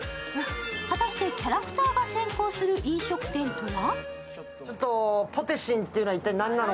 果たしてキャラクターが先行する飲食店とは？